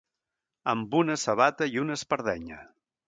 Amb una sabata i una espardenya.